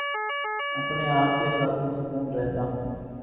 اپنے آپ کے ساتھ پرسکون رہتا ہوں